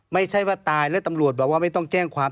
ไม่ใช่ว่าตายแล้วตำรวจบอกว่าไม่ต้องแจ้งความ